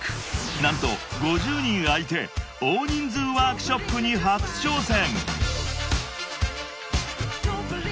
［何と５０人相手大人数ワークショップに初挑戦］